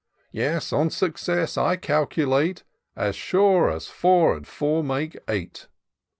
Yes, on success I calculate. As sure as four and four make eight.